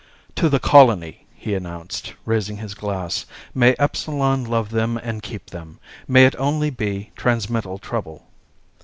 "To the colony," he announced, raising his glass. "May Epsilon love them and keep them. May it only be transmittal trouble."